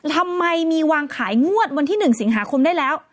ทำไมมีวางขายงวดวันที่๑สิงหาคมได้แล้ว